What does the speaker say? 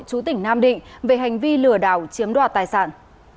chú tỉnh nam định về hành vi lừa đảo chiếm đoạt tài sản